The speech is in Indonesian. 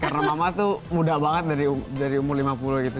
karena mama tuh muda banget dari umur lima puluh gitu